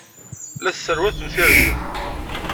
La tesserwatemt irden.